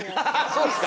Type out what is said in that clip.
そうですか？